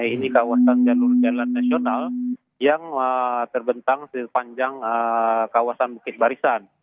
ini kawasan jalur jalan nasional yang terbentang di sepanjang kawasan bukit barisan